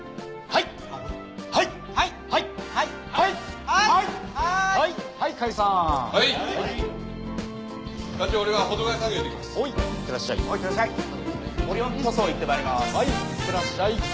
いってらっしゃい。